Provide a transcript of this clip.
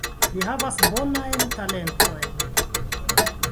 Li havas bonajn talentojn.